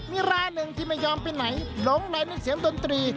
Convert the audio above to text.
มีราหนึ่งที่ไม่ยอมไปไหนหลงในเสียงดนตรี